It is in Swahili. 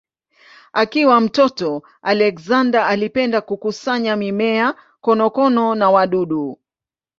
Akiwa mtoto Alexander alipenda kukusanya mimea, konokono na wadudu.